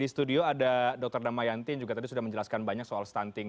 di studio ada dr damayanti yang juga tadi sudah menjelaskan banyak soal stunting